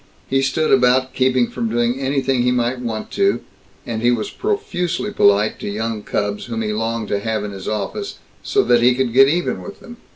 He stood about keeping from doing anything he might want to, and he was profusely polite to young cubs whom he longed to have in his office so that he could get even with them.